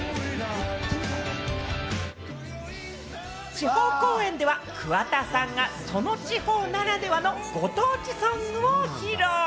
地方公演では桑田さんがその地方ならではの、ご当地ソングを披露。